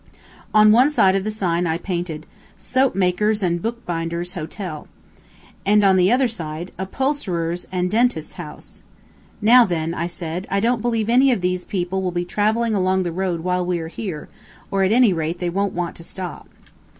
On one side of the sign I painted: "SOAP MAKER'S AND BOOK BINDER'S HOTEL." And on the other side: "UPHOLSTERERS' AND DENTISTS' HOUSE." "Now then," I said, "I don't believe any of those people will be traveling along the road while we are here, or, at any rate, they won't want to stop."